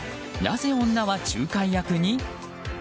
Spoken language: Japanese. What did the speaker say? なぜ女は仲介役に？